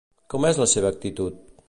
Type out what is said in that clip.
Com és la seva actitud?